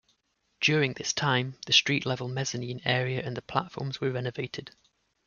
During this time, the street level mezzanine area and the platforms were renovated.